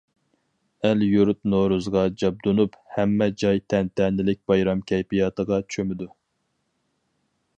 ئەل-يۇرت نورۇزغا جابدۇنۇپ، ھەممە جاي تەنتەنىلىك بايرام كەيپىياتىغا چۆمىدۇ.